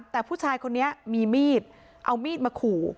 แต่ผู้ชายคนนี้มีมีดเอามีดมาขู่